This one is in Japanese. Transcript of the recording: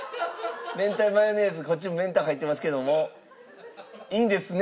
明太マヨネーズこっちも明太入ってますけどもいいんですね？